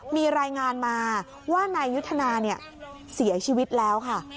มีรายงานมาว่านายยุทธนาเสียชีวิตแล้วค่ะ